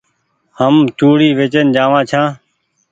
هم چوڙي وچيئن جآ وآن ڇآن ۔